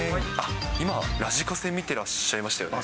今、ラジカセ見てらっしゃいましたよね。